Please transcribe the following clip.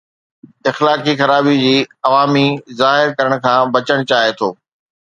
اخلاقي خرابي جي عوامي ظاهر ڪرڻ کان بچڻ چاهي ٿو